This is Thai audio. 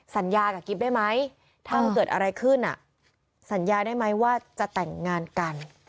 สัญญากับกิ๊บได้ไหมถ้ามันเกิดอะไรขึ้นสัญญาได้ไหมว่าจะแต่งงานกัน